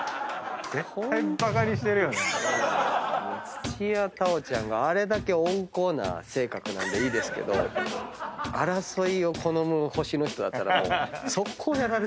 土屋太鳳ちゃんがあれだけ温厚な性格なんでいいですけど争いを好む星の人だったら即行やられてますよ。